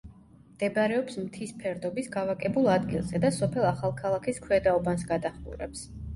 მდებარეობს მთის ფერდობის გავაკებულ ადგილზე და სოფელ ახალქალაქის ქვედა უბანს გადაჰყურებს.